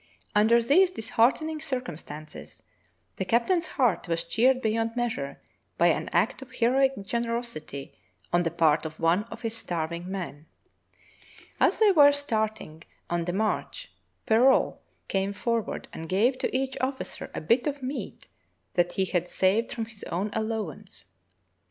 Under these disheart ening circumstances, the captain's heart was cheered beyond measure by an act of heroic generosity on the part of one of his starving men. As the}' were start 26 True Tales of Arctic Heroism ing on the march Perrault came forward and gave to €ach officer a bit of meat that he had saved from his own allowance.